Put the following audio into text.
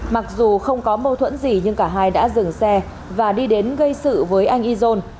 mặc dù không có mâu thuẫn gì nhưng cả hai đã dừng xe và đi đến gây sự với anh izon